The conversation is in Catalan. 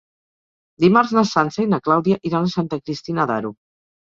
Dimarts na Sança i na Clàudia iran a Santa Cristina d'Aro.